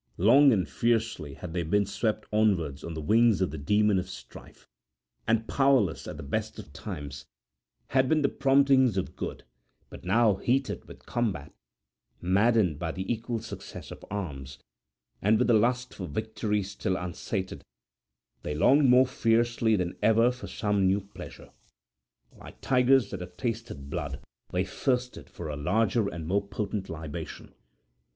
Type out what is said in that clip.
Long and fiercely had they been swept onwards on the wings of the demon of strife, and powerless at the best of times had been the promptings of good; but now, heated with combat, maddened by the equal success of arms, and with the lust for victory still unsated, they longed more fiercely than ever for some new pleasure: like tigers that have tasted blood they thirsted for a larger and more potent libation.